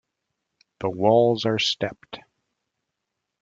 The walls are stepped.